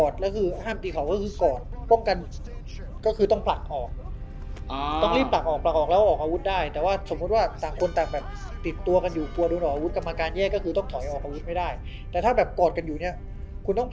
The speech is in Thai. สังเกตว่าเวลาเขาต่อยก็ต่อยเป็นชุดบึ้ง